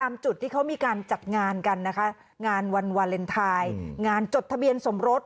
จุดที่เขามีการจัดงานกันนะคะงานวันวาเลนไทยงานจดทะเบียนสมรส